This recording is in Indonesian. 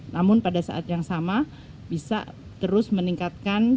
namun pada saat yang sama bisa terus meningkatkan